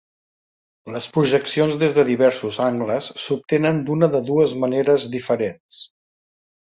Les projeccions des de diversos angles s'obtenen d'una de dues maneres diferents.